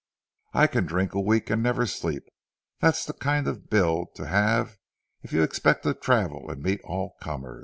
I can drink a week and never sleep; that's the kind of a build to have if you expect to travel and meet all comers.